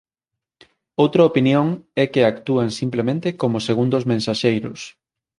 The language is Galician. Outra opinión é que actúan simplemente como segundos mensaxeiros.